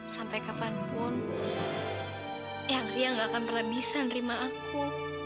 sampai kapanpun eang ria nggak akan pernah bisa nerima aku